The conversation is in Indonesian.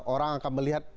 orang akan melihat